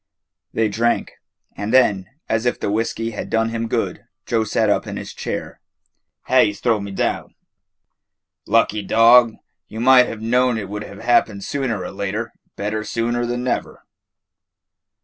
They drank, and then, as if the whiskey had done him good, Joe sat up in his chair. "Ha'ie 's throwed me down." "Lucky dog! You might have known it would have happened sooner or later. Better sooner than never."